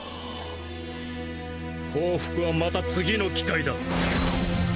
報復はまた次の機会だ。